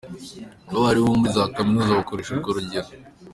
Abarimu bo muri za Kaminuza bakoresha urwo rugero.